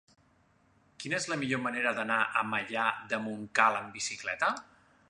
Quina és la millor manera d'anar a Maià de Montcal amb bicicleta?